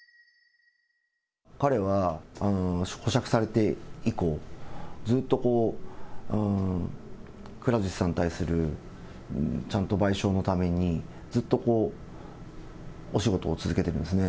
彼は保釈されて以降、ずっと、くら寿司さんに対するちゃんと賠償のために、ずっとこう、お仕事を続けているんですね。